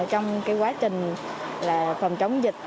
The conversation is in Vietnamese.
trong quá trình phòng chống dịch